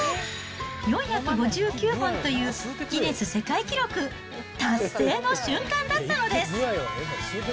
４５９本というギネス世界記録達成の瞬間だったのです。